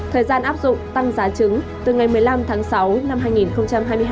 thời gian áp dụng tăng giá trứng từ ngày một mươi năm tháng sáu năm hai nghìn hai mươi hai